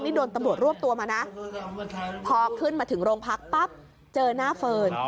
นี่โดนตำรวจรวบตัวมานะพอขึ้นมาถึงโรงพักปั๊บเจอหน้าเฟิร์น